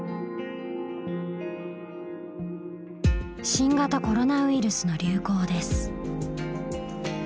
新型コロナウイルスの流行です。